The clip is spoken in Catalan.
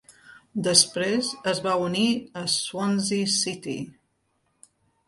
Després es va unir a Swansea City.